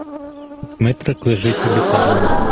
Дмитрик лежить у лікарні.